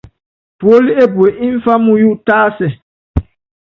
Puólí epue ḿfá muyu tásɛ.